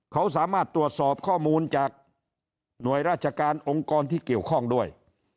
เขาสามารถตรวจสอบข้อมูลจากหน่วยราชการองค์กรที่เกี่ยวข้องด้วย